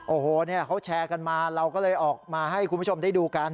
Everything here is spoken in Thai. โอ้โหเขาแชร์กันมาเราก็เลยออกมาให้คุณผู้ชมได้ดูกัน